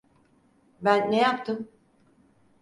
Ben ne yaptım?